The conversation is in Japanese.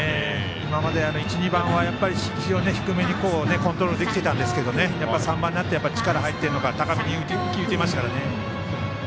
今まで１、２番は低めにコントロールできてたんですけど３番になって力が入っているのか高めに浮いていますね。